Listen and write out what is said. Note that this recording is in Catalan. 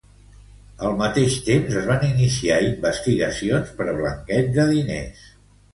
Al mateix temps, es van iniciar investigacions per blanqueig de diners.